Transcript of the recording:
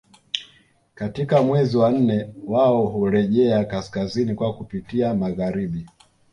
Katika mwezi wa nne wao hurejea kaskazini kwa kupitia magharibi